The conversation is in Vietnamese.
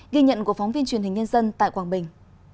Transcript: ghi nhận của phóng viên truyền hình nhân dân tại quảng bình